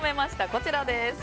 こちらです。